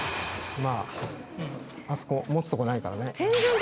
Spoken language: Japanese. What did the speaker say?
まああそこ持つとこないからね。